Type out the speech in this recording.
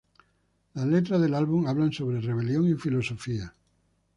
Las letras del álbum hablan sobre Rebelión y Filosofía.